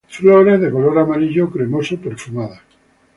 Flores de color amarillo cremoso, perfumadas.